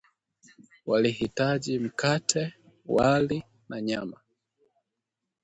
Walihitaji mkate, wali na nyama